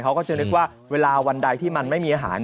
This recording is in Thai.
เขาก็จะนึกว่าเวลาวันใดที่มันไม่มีอาหาร